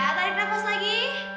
tahan ya tahan ya